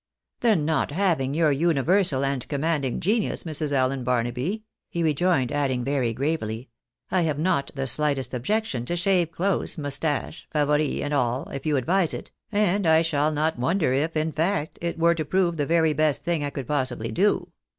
"" The not having your universal and commanding genius, Mrs. Allen Barnaby," he rejoined, adding, very gravely, " I have not the slightest objection to shave close, mustache, favoris, and all, if you advise it, and I shall not wonder if, in fact, it were io prove the very best thing I could possibly do.